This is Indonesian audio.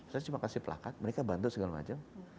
saya cuma kasih pelakat mereka bantu segala macam